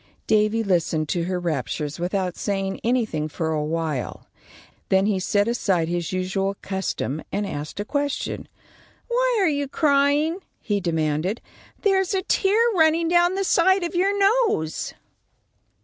Davy listened to her raptures without saying anything for awhile. Then he set aside his usual custom and asked a question. "Why are you crying?" he demanded. "There's a tear running down the side of your nose."